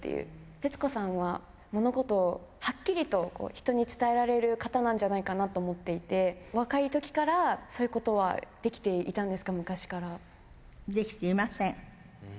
徹子さんは物事をはっきりと、人に伝えられる方なんじゃないかなと思っていて、お若いときからそういうことはできていたんですか？